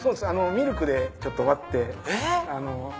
ミルクでちょっと割って。